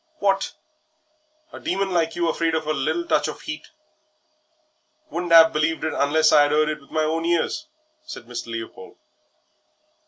"What! a Demon like you afraid of a little touch of 'eat; wouldn't 'ave believed it unless I 'ad 'eard it with my own ears," said Mr. Leopold.